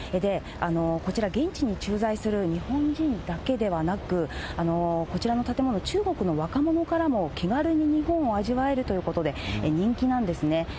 こちら、現地に駐在する日本人だけではなく、こちらの建物、中国の若者からも気軽に日本を味わえるということで人気なんですね。